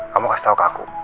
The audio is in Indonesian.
kamu kasih tahu ke aku